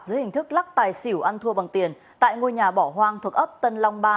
dưới hình thức lắc tài xỉu ăn thua bằng tiền tại ngôi nhà bỏ hoang thuộc ấp tân long ba